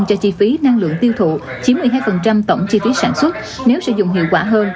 cho chi phí năng lượng tiêu thụ chiếm một mươi hai tổng chi phí sản xuất nếu sử dụng hiệu quả hơn